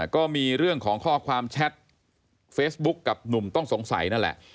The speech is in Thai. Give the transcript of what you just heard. ก็มีเรื่องของข้อความแชทเฟซบุ๊คกับหนุ่มต้องสงสัยนั่นแหละ